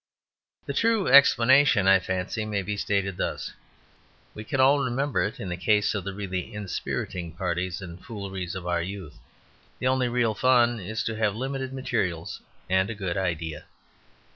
The true explanation, I fancy, may be stated thus. We can all remember it in the case of the really inspiriting parties and fooleries of our youth. The only real fun is to have limited materials and a good idea.